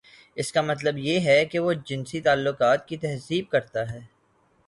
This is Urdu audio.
اس کا مطلب یہ ہے کہ وہ جنسی تعلقات کی تہذیب کرتا ہے۔